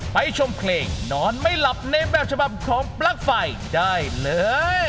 ชมเพลงนอนไม่หลับในแบบฉบับของปลั๊กไฟได้เลย